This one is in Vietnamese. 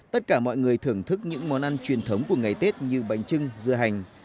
tất cả mọi người thưởng thức những món ăn truyền thống của ngày tết như bánh trưng dưa hành